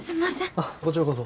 あっこちらこそ。